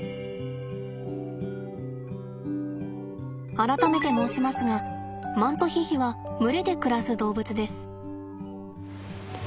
改めて申しますがマントヒヒは群れで暮らす動物です。